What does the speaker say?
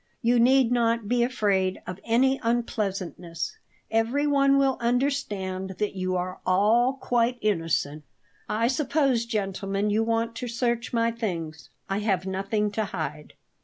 "You need not be afraid of any unpleasantness; everyone will understand that you are all quite innocent. I suppose, gentlemen, you want to search my things. I have nothing to hide."